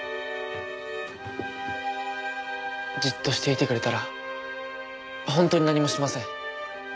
じっとしていてくれたら本当に何もしません。